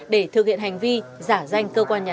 để thực hiện hành vi giả danh cơ quan nhà nước